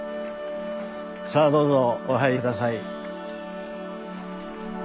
さあどうぞお入り下さい。